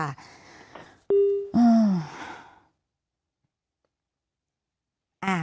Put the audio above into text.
สวัสดีค่ะ